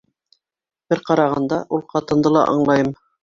Бер ҡарағанда, ул ҡатынды ла аңлайым.